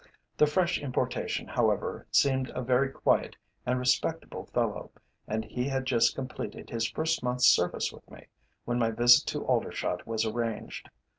The fresh importation, however, seemed a very quiet and respectable fellow, and he had just completed his first month's service with me, when my visit to Aldershot was arranged.